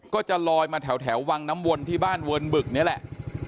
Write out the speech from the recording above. ก็จะลอยมาแถววังน้ำวนที่บ้านเวิร์นบึกนี่แหละ